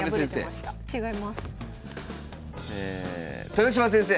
豊島先生。